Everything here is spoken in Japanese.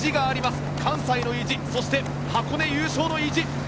関西の意地、箱根優勝の意地。